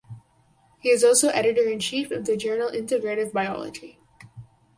He is also editor in chief of the journal "Integrative Biology".